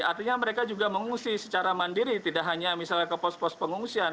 artinya mereka juga mengungsi secara mandiri tidak hanya misalnya ke pos pos pengungsian